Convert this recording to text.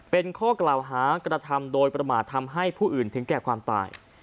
เป็นข้อกล่าวหากระทำโดยประมาททำให้ผู้อื่นถึงแก่ความตาย